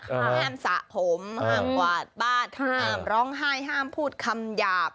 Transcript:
ห้ามสระผมห้ามกวาดบ้านห้ามร้องไห้ห้ามพูดคำหยาบ